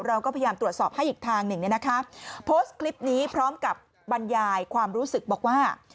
เราก็พยายามตรวจสอบให้อีกทางหนึ่งเนี่ยนะคะโพสต์คลิปนี้พร้อมกับบรรยายความรู้สึกบอกว่า